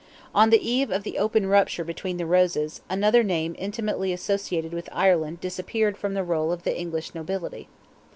On the eve of the open rupture between the Roses, another name intimately associated with Ireland disappeared from the roll of the English nobility.